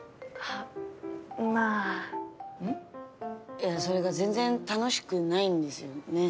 いやそれが全然楽しくないんですよね？